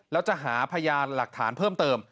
แล้วจะหาพยานหลักฐานเพิ่มเติม